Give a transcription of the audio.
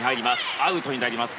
アウトになりました。